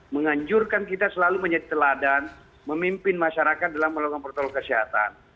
menganjurkan kita selalu menjadi teladan memimpin masyarakat dalam melakukan protokol kesehatan